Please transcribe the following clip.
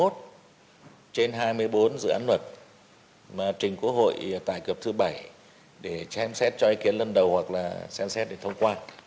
trên hai mươi bốn dự án luật mà trình quốc hội tại kỳ họp thứ bảy để xem xét cho ý kiến lần đầu hoặc là xem xét để thông qua